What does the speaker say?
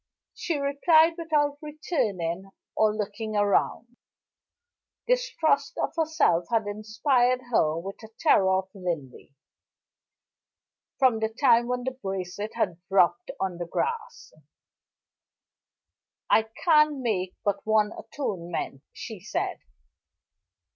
She replied without returning or looking round; distrust of herself had inspired her with terror of Linley, from the time when the bracelet had dropped on the grass. "I can make but one atonement," she said.